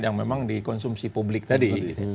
yang memang dikonsumsi publik tadi